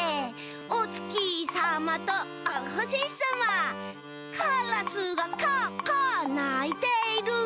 「おつきさまとおほしさま」「カラスがカアカアないている」